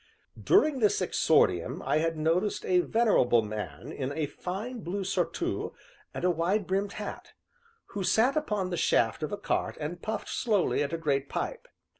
During this exordium I had noticed a venerable man in a fine blue surtout and a wide brimmed hat, who sat upon the shaft of a cart and puffed slowly at a great pipe.